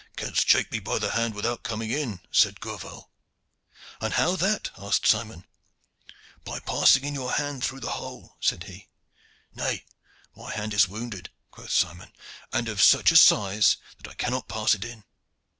'Canst shake me by the hand without coming in,' said Gourval. 'And how that?' asked Simon. 'By passing in your hand through the hole,' said he. 'Nay, my hand is wounded,' quoth Simon, 'and of such a size that I cannot pass it in.'